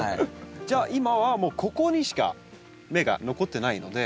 じゃあ今はもうここにしか芽が残ってないので。